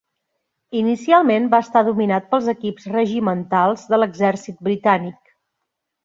Inicialment va estar dominat pels equips regimentals de l'Exèrcit Britànic.